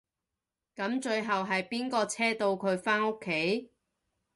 噉最後係邊個車到佢返屋企？